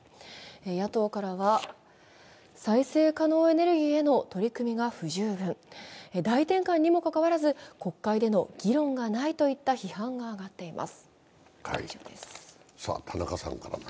野党からは、再生可能エネルギーへの取り組みが不十分、大転換にもかかわらず国会での議論がないといった批判が上がっています。